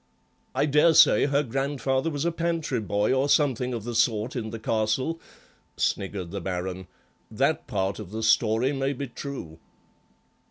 "I dare say her grandfather was a pantry boy or something of the sort in the castle," sniggered the Baron; "that part of the story may be true."